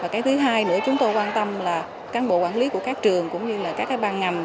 cái thứ hai nữa chúng tôi quan tâm là cán bộ quản lý của các trường cũng như là các ban ngành